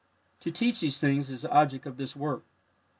To teach these things is the object of this work.